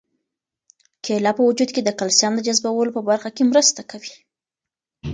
کیله په وجود کې د کلسیم د جذبولو په برخه کې مرسته کوي.